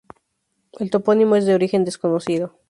El topónimo es de origen desconocido.